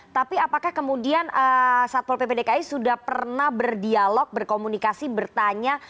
tapi apakah kemudian satpol pp dki sudah pernah berdialog berkomunikasi bertanya